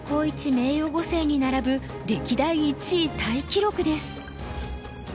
名誉碁聖に並ぶ歴代１位タイ記録です。